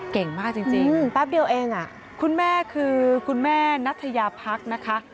เก่งมากจริงค่ะคุณแม่คือคุณแม่นัทยาพักษ์นะคะ